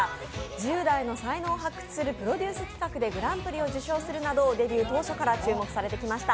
１０代の才能を発揮するプロデュース企画で才能を発揮するなど、デビュー直後から注目されてきました。